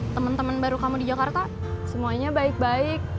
temen temen baru kamu di jakarta semuanya baik baik